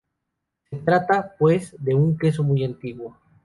Se trata, pues, de un queso muy antiguo.